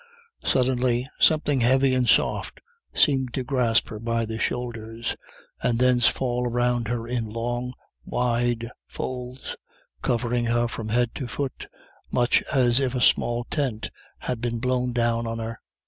Suddenly something heavy and soft seemed to grasp her by the shoulders, and thence fall around her in long, wide folds, covering her from head to foot, much as if a small tent had been blown down on her.